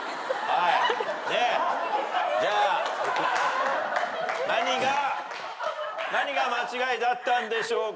じゃあ何が何が間違いだったんでしょうか。